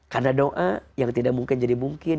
karena doa yang tidak mungkin jadi mungkin